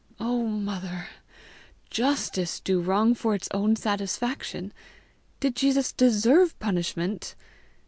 "Oh, mother! JUSTICE do wrong for its own satisfaction! Did Jesus DESERVE punishment?